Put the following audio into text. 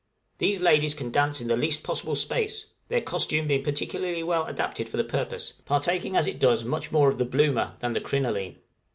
These ladies can dance in the least possible space, their costume being particularly well adapted for the purpose, partaking as it does much more of the "Bloomer" than the "crinoline."